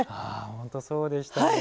本当そうでしたね。